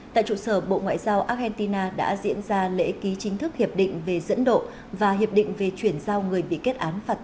tại trụ sở bộ ngoại giao argentina đã diễn ra lễ ký chính thức hiệp định về dẫn độ và hiệp định về chuyển giao người bị kết án phạt tù